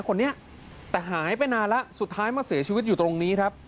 คนนี้แต่หายไปนานแล้วสุดท้ายมาเสียชีวิตอยู่ตรงนี้ครับ